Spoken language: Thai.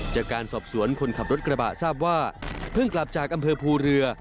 จากการสอบสวนคนขับรถกระบะทราบว่าเพิ่งกลับจากอำเภอภูเรือ